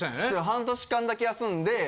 半年間だけ休んで。